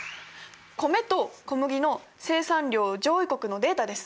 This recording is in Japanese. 米と小麦の生産量上位国のデータです。